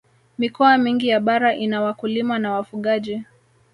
mikoa mingi ya bara ina wakulima na wafugaji